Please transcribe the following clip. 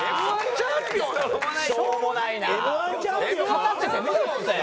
勝たせてみろって。